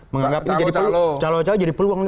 menganggap ini jadi peluang